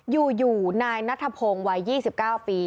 อยู่นายนัทพงศ์วัย๒๙ปี